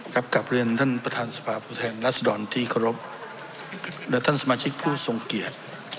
รับกราบเรียนท่านประธานสภาพุทธแห่งรัสดรที่ครบและท่านสมาชิกผู้สงเกียจ